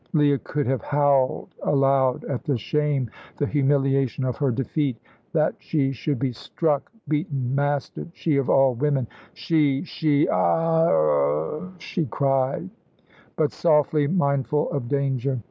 Leah could have howled aloud at the shame, the humiliation of her defeat. That she should be struck, beaten, mastered she of all women; she she! "Ar r r! Augh!" she cried, but softly, mindful of danger.